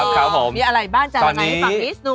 ครับมีอะไรบ้างจาระไหนฝากพี่สนุก